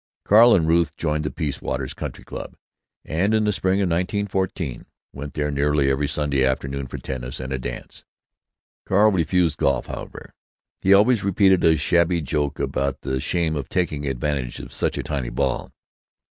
Carl and Ruth joined the Peace Waters Country Club, and in the spring of 1914 went there nearly every Saturday afternoon for tennis and a dance. Carl refused golf, however; he always repeated a shabby joke about the shame of taking advantage of such a tiny ball.